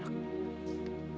padasar pembangkang itu anaknya